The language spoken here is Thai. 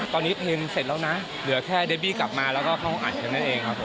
ตอนนี้เพลงเสร็จแล้วนะเหลือแค่เดบี้กลับมาแล้วก็เข้าอัดกันนั่นเองครับผม